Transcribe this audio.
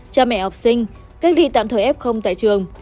cha mẹ học sinh cách ly tạm thời f tại trường